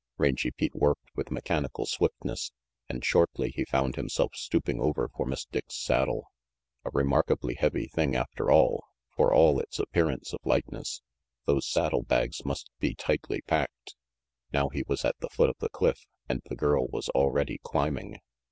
Rangy Pete worked with mechanical swiftness, and shortly he found himself stooping over for Miss Dick's saddle. A remarkably heavy thing, after all, for all its appearance of lightness those saddle bags must be tightly packed. RANGY PETE 361 Now he was at the foot of the cliff, and the girl was already climbing.